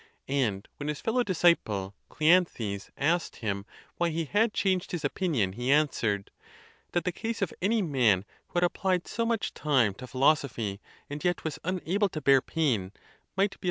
And when his fellow disciple, Cleanthes, asked him why he had changed his opinion, he answered, " That the case of any man who had applied so much time to philosophy, and yet was unable to bear pain, might be a